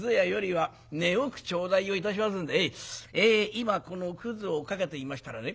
今このくずをかけていましたらね